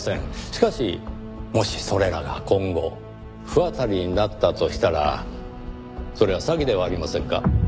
しかしもしそれらが今後不渡りになったとしたらそれは詐欺ではありませんか？